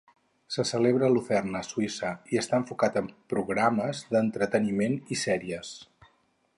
Se celebra a Lucerna, Suïssa, i està enfocat en programes d'entreteniment i sèries.